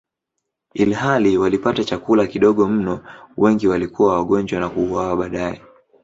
Ilhali walipata chakula kidogo mno, wengi walikuwa wagonjwa na kuuawa baadaye.